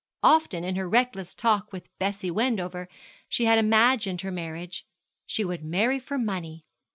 Often in her reckless talk with Bessie Wendover she had imagined her marriage. She would marry for money.